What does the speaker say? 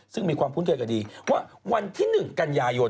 ซึ่งมีความคุ้นเคยกับดีว่าวันที่๑กันยายน